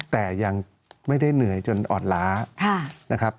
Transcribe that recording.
แต่ยังไม่ได้เหนื่อยจนอ่อนล้านะครับ